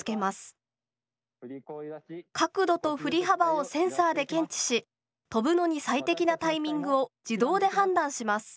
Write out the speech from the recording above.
角度と振り幅をセンサーで検知し飛ぶのに最適なタイミングを自動で判断します。